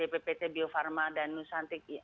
bppt bio farma dan nusantik